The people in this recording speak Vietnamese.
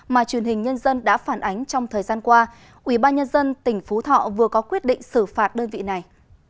mà truyền hình nhân dân đã phản ánh trong thời gian qua ubnd tỉnh phú thọ vừa có quyết định xử phạt đơn vị này